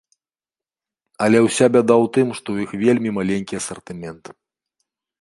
Але ўся бяда ў тым, што ў іх вельмі маленькі асартымент.